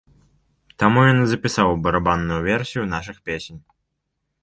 Таму ён і запісаў барабанную версію нашых песень.